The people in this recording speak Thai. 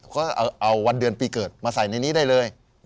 ก็เอาวันเดือนปีเกิดมาใส่ในนี้ได้เลย